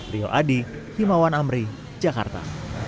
rio adi himawan amri jakarta